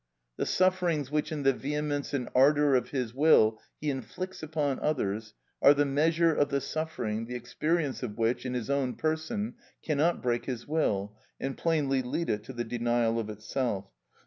The sufferings which in the vehemence and ardour of his will he inflicts upon others are the measure of the suffering, the experience of which in his own person cannot break his will, and plainly lead it to the denial of itself.